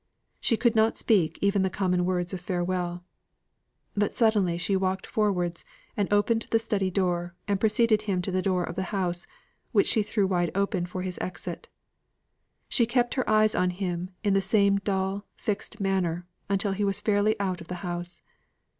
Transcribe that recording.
She could not speak even the common words of farewell. But suddenly she walked forwards, and opened the study door, and preceded him to the door of the house, which she threw wide open for his exit. She kept her eyes upon him in the same dull, fixed manner, until he was fairly out of the house.